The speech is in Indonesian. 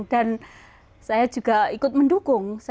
dan saya juga ikut mendukung